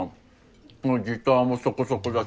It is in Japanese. ギターもそこそこだし